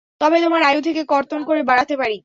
তবে তোমার আয়ু থেকে কর্তন করে বাড়াতে পারি।